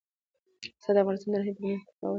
پسه د افغانستان د ناحیو ترمنځ تفاوتونه راولي.